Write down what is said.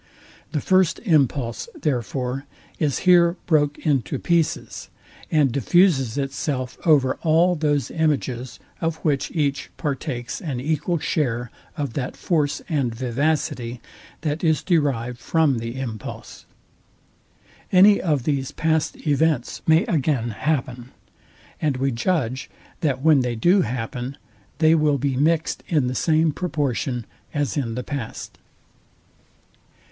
The first impulse, therefore, is here broke into pieces, and diffuses itself over all those images, of which each partakes an equal share of that force and vivacity, that is derived from the impulse. Any of these past events may again happen; and we judge, that when they do happen, they will be mixed in the same proportion as in the past.